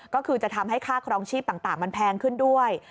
ก็คือจะทำให้ค่าครองชีพต่างมันแพงขึ้นด้วย